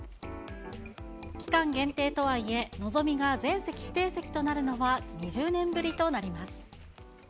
期間限定とはいえ、のぞみが全席指定席となるのは２０年ぶりとなります。